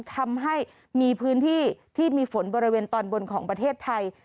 ทำให้มีพื้นที่ที่มีฝนบริเวณตอนบนของประเทศไทย